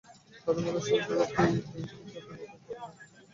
তাঁদের মতে, সাম্প্রতিক সময়ে ব্যাংকিং খাতে নতুন করে অর্থ বিনিয়োগ হয়েছে।